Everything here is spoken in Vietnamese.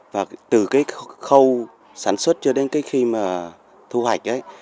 và từ cái khâu sản xuất cho đến cái khi mà thu hoạch ấy